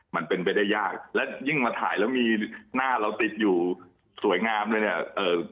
มันเป็นไปได้ยากและยิ่งมาถ่ายแล้วมีหน้าเราติดอยู่สวยงามด้วยเนี่ย